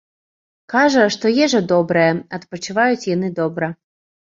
Кажа, што ежа добрая, адпачываюць яны добра.